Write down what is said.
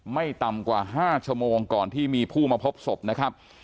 ไม่ต่ำกว่า๕ชั่วโมงก่อนที่มีผู้มาพบศพนะครับ